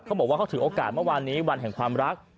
เขาบอกว่าเขาถือโอกาสเมื่อวานนี้วันแห่งความรัก